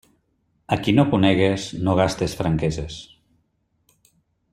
A qui no conegues, no gastes franqueses.